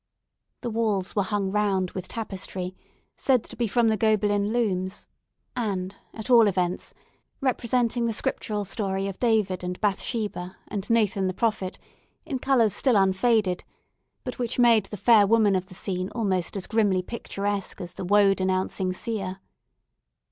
The walls were hung round with tapestry, said to be from the Gobelin looms, and, at all events, representing the Scriptural story of David and Bathsheba, and Nathan the Prophet, in colours still unfaded, but which made the fair woman of the scene almost as grimly picturesque as the woe denouncing seer.